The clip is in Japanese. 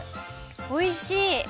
おいしい！